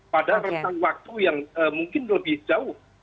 pada rentang waktu yang mungkin lebih jauh